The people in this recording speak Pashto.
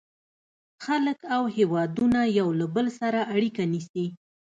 • خلک او هېوادونه یو له بل سره اړیکه نیسي.